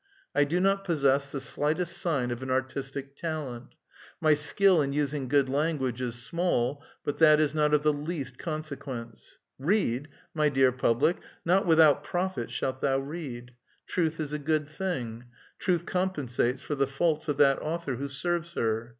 I do not possess the slightest sign of an artistic talent. 2Iy skill in using good language is small, but that is not of the least consequence. Read ! my dear public ; not without profit shalt thou read. Truth is a good thing ; truth com pensates for the faults of that author who sei*ves her.